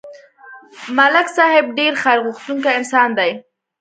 ملک صاحب ډېر خیرغوښتونکی انسان دی